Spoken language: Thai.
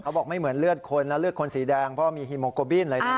เขาบอกไม่เหมือนเลือดคนแล้วเลือดคนสีแดงเพราะมีฮีโมโกบิน